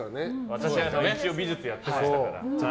私、一応美術やってましたから。